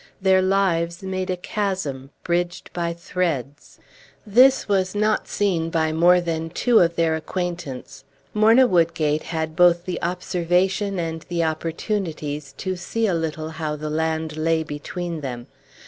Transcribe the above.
Their lives made a chasm bridged by threads. This was not seen by more than two of their acquaintance. Morna Woodgate had both the observation and the opportunities to see a little how the land lay between them.